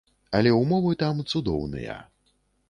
Але ўмовы там цудоўныя.